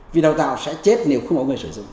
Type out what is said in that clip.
vì đào tạo sẽ chết nếu không có người sử dụng